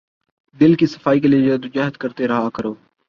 دل کی صفائی کے لیے جد و جہد کرتے رہا کرو